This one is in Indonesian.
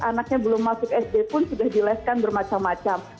anaknya belum masuk sd pun sudah dileskan bermacam macam